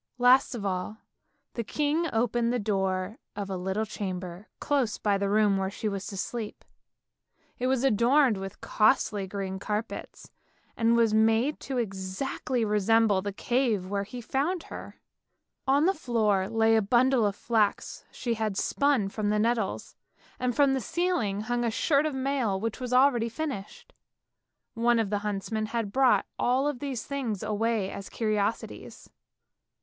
Last of all, the king opened the door of a little chamber close by the room where she was to sleep. It was adorned with costly green carpets, and made to exactly 48 ANDERSEN'S FAIRY TALES resemble the cave where he found her. On the floor lay the bundle of flax she had spun from the nettles, and from the ceiling hung the shirt of mail which was already finished. One of the huntsmen had brought all these things away as curiosities.